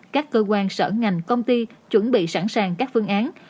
các cơ quan sở ngành công ty chuẩn bị sẵn sàng các phương án